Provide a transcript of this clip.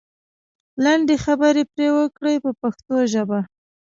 لنډې خبرې پرې وکړئ په پښتو ژبه.